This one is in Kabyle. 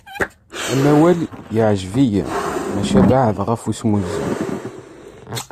Amawal yeɛǧeb-iyi maca beɛɛed ɣef usmuzzeɣ.